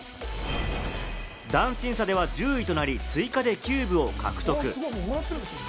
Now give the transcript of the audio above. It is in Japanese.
ダンス審査では１０位となり、追加でキューブを獲得。